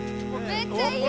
めっちゃいい！